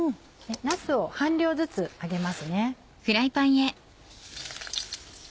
なすを半量ずつ揚げますね。